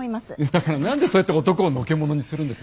だから何でそうやって男をのけ者にするんです？